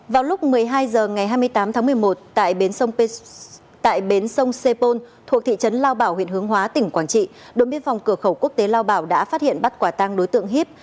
vào lúc một mươi hai h ngày hai mươi tám tháng một mươi một tại bến tại bến sông sepol thuộc thị trấn lao bảo huyện hướng hóa tỉnh quảng trị đội biên phòng cửa khẩu quốc tế lao bảo đã phát hiện bắt quả tăng đối tượng hiếp